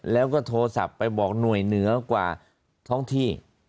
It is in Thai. แล้วก็โทรศัพท์ไปบอกหน่วยเหนือกว่าท้องที่